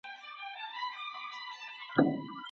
مشرانو به د ولس د نېکمرغۍ لپاره رښتيني مشوري ورکولي.